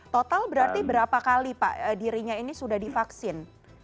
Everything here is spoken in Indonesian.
total berarti berapa kali pak dirinya ini sudah divaksin